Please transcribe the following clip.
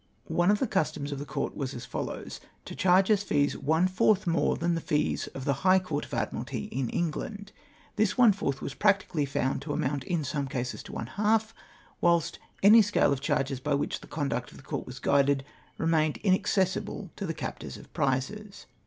One of the cnstoms of the Court was as follows : to charge as fees one fourth more than the fees of the Higli Court of Admiralty in England ; this one fourth was practically found to amount in some cases to one half, whilst any scale of charges by which the conduct of the Court was guided, remamed maccessible to the captors of prizes.